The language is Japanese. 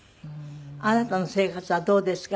あなたの生活はどうですか？